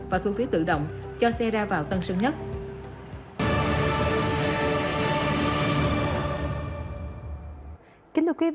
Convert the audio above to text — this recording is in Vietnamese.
và thu phí tự động cho xe ra vào tân sơn nhất